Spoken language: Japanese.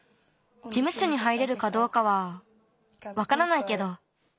じむしょに入れるかどうかはわからないけど。